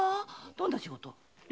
どんな仕事？